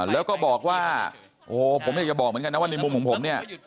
แล้วก็บอกว่าโอ้โหผมอยากจะบอกเหมือนกันนะว่าในมุมของผมเนี่ย